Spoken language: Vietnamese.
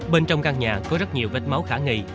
bên trong căn nhà có rất nhiều vết máu khả nghi